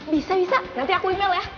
bisa bisa nanti aku email ya